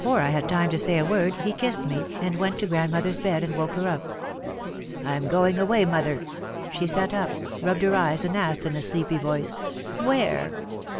Before I had time to say a word he kissed me and went to grandmother's bed and woke her up. "I am going away, mother." She sat up, rubbed her eyes and asked in a sleepy voice, "Where?"